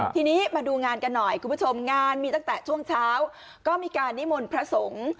ทีนี้มาดูงานกันหน่อยคุณผู้ชมงานมีตั้งแต่ช่วงเช้าก็มีการนิมนต์พระสงฆ์